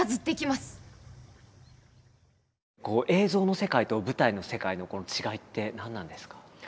映像の世界と舞台の世界のこの違いって何なんですか？